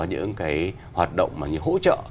những hoạt động những hỗ trợ